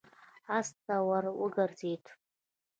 آس ته ور وګرځېد.